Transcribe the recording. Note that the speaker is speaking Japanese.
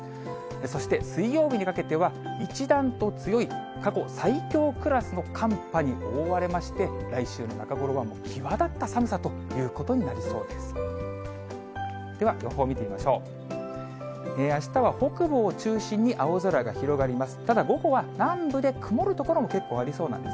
そして水曜日にかけては、一段と強い、過去最強クラスの寒波に覆われまして、来週の中頃は、もう際立った寒さということになりそうです。